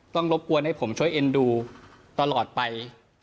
รบกวนให้ผมช่วยเอ็นดูตลอดไป